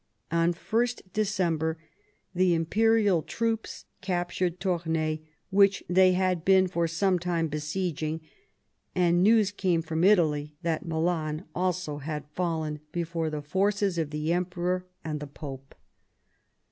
On 1st December the imperial troops captured Toumai, which they, had been for some time besieging, and news came from Italy that Milan also had fallen before. the forces of the Emperor and the Pope.